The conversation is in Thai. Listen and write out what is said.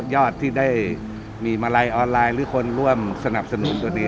ยอดที่ได้มีมาลัยออนไลน์หรือคนร่วมสนับสนุนตัวเอง